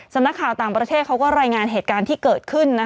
สำนักข่าวต่างประเทศเขาก็รายงานเหตุการณ์ที่เกิดขึ้น